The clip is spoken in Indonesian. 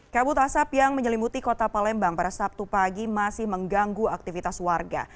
kabut asap yang menyelimuti kota palembang pada sabtu pagi masih mengganggu aktivitas warga